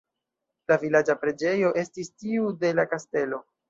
La vilaĝa preĝejo estis tiu de la kastelo.